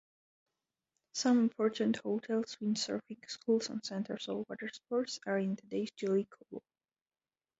Some important hotels, windsurfing schools, and centers of water sports are in today's Jelitkowo.